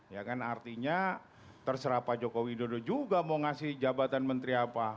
ya kan artinya terserah pak jokowi dodo juga mau ngasih jabatan menteri apa